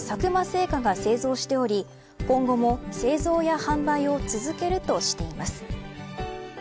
製菓が製造しており今後も製造や販売を続けるとしています。